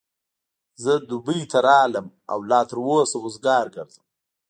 زه دبۍ ته راغلم او لا تر اوسه وزګار ګرځم.